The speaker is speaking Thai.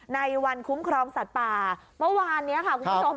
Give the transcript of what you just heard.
ในวันคุ้มครองสัตว์ป่าเมื่อวานนี้ค่ะคุณผู้ชม